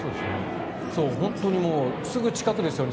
本当にすぐ近くですよね。